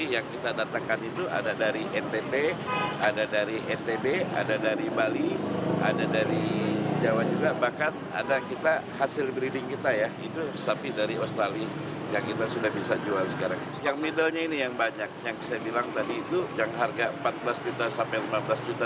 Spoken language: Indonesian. yang middlenya ini yang banyak yang saya bilang tadi itu yang harga rp empat belas juta sampai rp lima belas juta